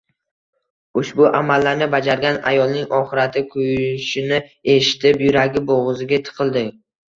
Ushbu amallarni bajargan ayolning oxirati kuyishini eshitib, yuragi bo`g`ziga tiqildi